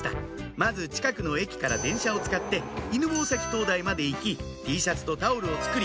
まず近くの駅から電車を使って犬吠埼灯台まで行きＴシャツとタオルを作り